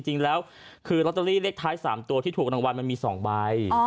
จริงแล้วคือลอตเตอรี่เลขท้าย๓ตัวที่ถูกรางวัลมันมี๒ใบ